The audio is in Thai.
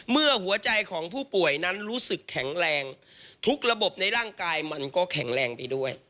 เมื่อหัวใจของผู้ป่วยนั้นรู้สึกแข็งแรงทุกระบบในร่างกายมันก็แข็งแรงไปด้วย